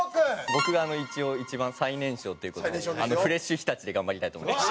僕が一応一番最年少っていう事でフレッシュひたちで頑張りたいと思います。